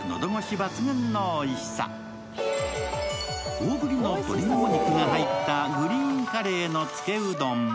大ぶりの鶏もも肉が入ったグリーンカレーのつけ汁うどん。